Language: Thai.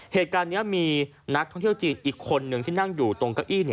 เหตุการณ์นี้มีนักท่องเที่ยวจีนอีกคนนึงที่นั่งอยู่ตรงเก้าอี้